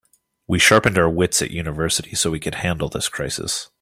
We sharpened our wits at university so we could handle this crisis.